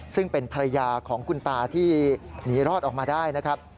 ซึ่งเป็นภรรยาของคุณตาที่หนีรอดออกมาได้นะครับ